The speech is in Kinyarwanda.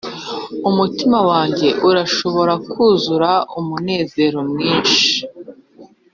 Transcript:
umutima wanjye urashobora kuzura umunezero mwinshi,